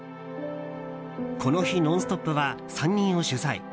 この日、「ノンストップ！」は３人を取材。